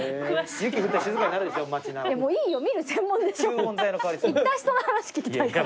行った人の話聞きたいから。